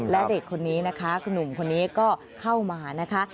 และเด็กคนนี้นะคะคุณหนุ่มคนนี้ก็เข้ามานะคะ